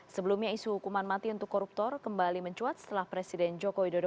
sebelumnya isu hukuman mati untuk koruptor kembali mencuat setelah presiden joko widodo